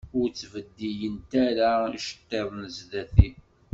Ur ttbeddilent ara iceṭṭiḍen sdat-i.